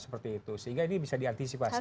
sehingga ini bisa diantisipasi